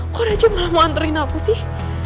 kok raja malah mau anterin aku sih